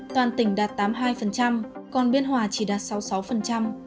toàn tỉnh đạt tám mươi hai còn biên hòa chỉ đạt sáu mươi sáu